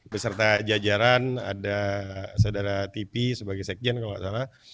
beserta jajaran ada saudara tipi sebagai sekjen kalau nggak salah